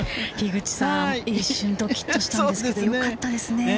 一瞬ドキっとしたんですけれども、よかったですね。